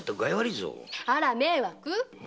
あら迷惑？